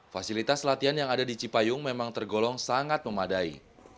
fasilitas latihan yang ada di cipayung memang tergolong sangat memadai